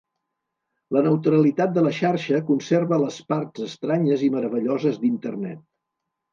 La Neutralitat de la xarxa conserva les parts estranyes i meravelloses d'Internet.